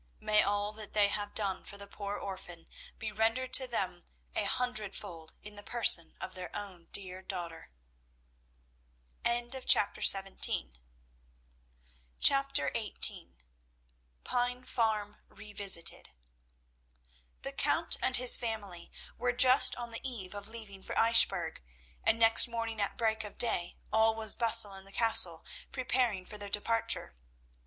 May all that they have done for the poor orphan be rendered to them a hundredfold in the person of their own dear daughter!" CHAPTER XVIII. PINE FARM REVISITED. The Count and his family were just on the eve of leaving for Eichbourg, and next morning at break of day all was bustle in the castle, preparing for their departure.